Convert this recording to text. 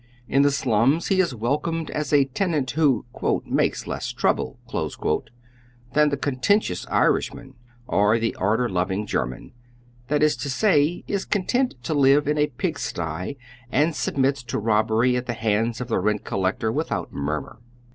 In the slums he is welcomed as a tenant wJio "makes less tronble" than the contentious Irishman or the order loving German, tliat is to say : is content to li\e in a pig sty and submits to robbeiy at the hands of the rent collector withont murmur.